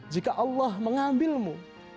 jika allah mengambilmu